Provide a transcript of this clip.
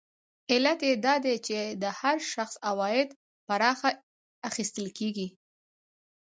علت یې دا دی چې د هر شخص عواید پراخه اخیستل کېږي